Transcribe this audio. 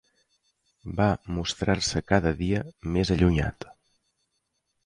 Va mostrar-se cada dia, més allunyat